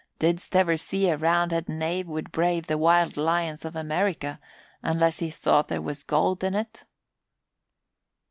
Did'st ever see a Roundhead knave would brave the wild lions of America unless he thought there was gold in't?"